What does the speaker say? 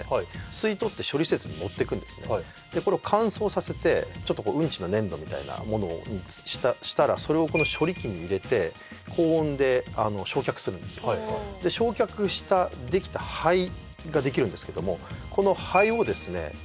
吸い取って処理施設に持ってくんですねでこれを乾燥させてうんちの粘土みたいなものにしたらそれをこの処理機に入れて高温で焼却するんですよで焼却した灰ができるんですけどもこの灰をですね